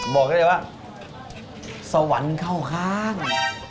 บอกได้เลยว่าสวรรค์เข้าข้าง